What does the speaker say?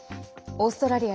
オーストラリア